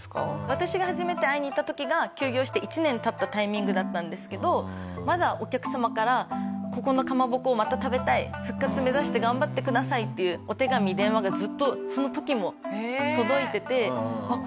私が初めて会いに行った時が休業して１年経ったタイミングだったんですけどまだお客様からここのかまぼこをまた食べたい復活目指して頑張ってくださいっていうお手紙電話がずっとその時も届いててあっ